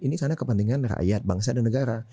ini karena kepentingan rakyat bangsa dan negara